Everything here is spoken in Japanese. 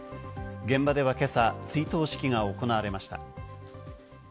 現場では今朝、追悼式が行われました。